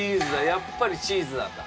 やっぱりチーズなんだ。